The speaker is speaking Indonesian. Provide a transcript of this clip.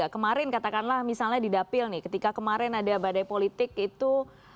kemarin katakanlah misalnya di dapil nih ketika kemarin ada badai politik itu